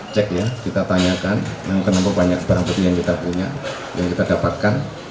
cek ya kita tanyakan kenapa banyak barang bukti yang kita punya yang kita dapatkan